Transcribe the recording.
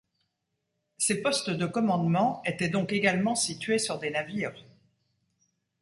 Ces postes de commandement étaient donc également situés sur des navires.